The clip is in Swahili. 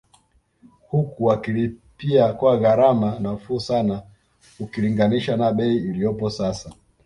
Huku wakilipia kwa gharama nafuu sana ukilinganisha na bei iliyopo sasa